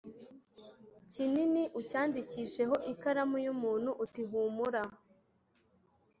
kinini ucyandikisheho ikaramu y umuntu uti humura